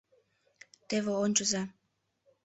Теве ончыза.